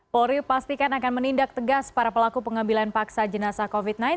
polri pastikan akan menindak tegas para pelaku pengambilan paksa jenazah covid sembilan belas